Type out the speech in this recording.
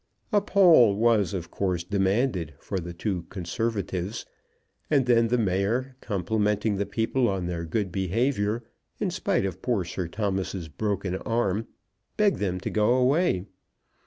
A poll was, of course, demanded for the two Conservatives; and then the mayor, complimenting the people on their good behaviour, in spite of poor Sir Thomas's broken arm, begged them to go away.